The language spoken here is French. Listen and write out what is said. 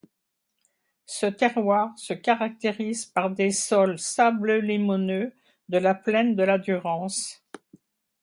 Ce terroir se caractérise par des sols sableux-limoneux de la plaine de la Durance.